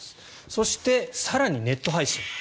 そして、更にネット配信。